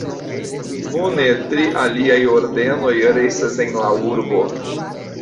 Nune tri aliaj ordenoj restas en la urbo.